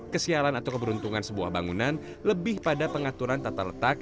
kesialan atau keberuntungan sebuah bangunan lebih pada pengaturan tata letak